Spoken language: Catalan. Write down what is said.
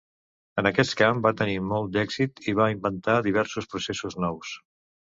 En aquest camp va tenir molt d'èxit, i va inventar diversos processos nous.